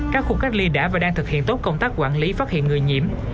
các khu cách ly đã và đang thực hiện tốt công tác quản lý phát hiện người nhiễm